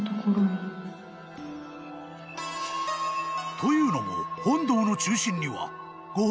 ［というのも本堂の中心には］